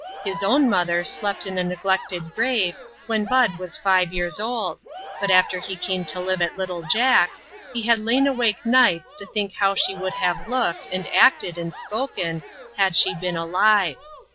His own mother slept in a neglected grave, when Bud was five years old, but after he came to live at little Jack's, he had lain awake nights to think how she would have looked, and acted, and spoken, had she been alive.